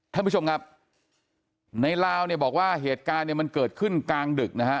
ท่านผู้ชมครับในลาวเนี่ยบอกว่าเหตุการณ์เนี่ยมันเกิดขึ้นกลางดึกนะฮะ